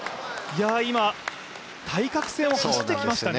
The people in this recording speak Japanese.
今、対角線を走ってきましたね。